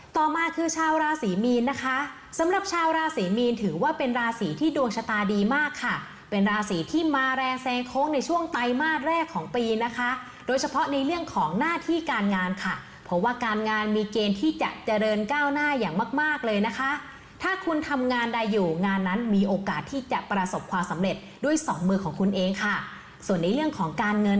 ต่อมาคือชาวราศีมีนนะคะสำหรับชาวราศรีมีนถือว่าเป็นราศีที่ดวงชะตาดีมากค่ะเป็นราศีที่มาแรงแซงโค้งในช่วงไตรมาสแรกของปีนะคะโดยเฉพาะในเรื่องของหน้าที่การงานค่ะเพราะว่าการงานมีเกณฑ์ที่จะเจริญก้าวหน้าอย่างมากมากเลยนะคะถ้าคุณทำงานใดอยู่งานนั้นมีโอกาสที่จะประสบความสำเร็จด้วยสองมือของคุณเองค่ะส่วนในเรื่องของการเงิน